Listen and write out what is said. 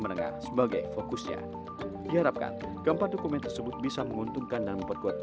menengah sebagai fokusnya diharapkan keempat dokumen tersebut bisa menguntungkan dan memperkuat